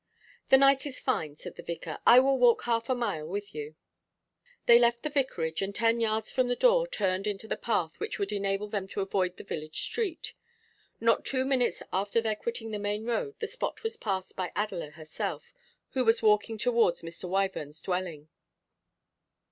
'The night is fine,' said the vicar; 'I will walk half a mile with you.' They left the Vicarage, and ten yards from the door turned into the path which would enable them to avoid the village street. Not two minutes after their quitting the main road the spot was passed by Adela herself, who was walking towards Mr. Wyvern's dwelling.